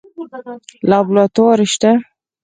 لابراتوار شته؟